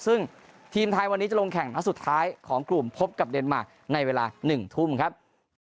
ซึ่งทีมไทยวันนี้จะลงแข่งนัดสุดท้ายของกลุ่มพบกับเดนมาร์ในเวลา๑ทุ่มครับ